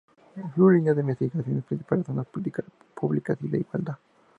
Sus líneas de investigaciones principales son las políticas públicas de igualdad.